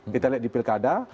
kita lihat di pilkada